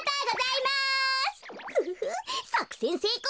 フフフさくせんせいこう。